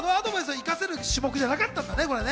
生かせる種目じゃなかったんだね。